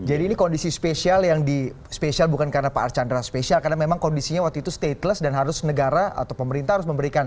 ini kondisi spesial yang di spesial bukan karena pak archandra spesial karena memang kondisinya waktu itu stateless dan harus negara atau pemerintah harus memberikan